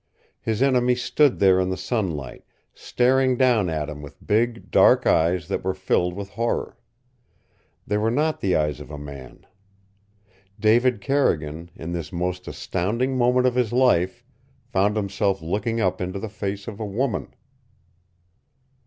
His enemy stood there in the sunlight, staring down at him with big, dark eyes that were filled with horror. They were not the eyes of a man. David Carrigan, in this most astounding moment of his life, found himself looking up into the face of a woman.